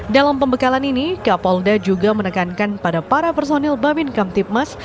dalam pembekalan ini kapolda juga menekankan pada para personil babin kamtipmas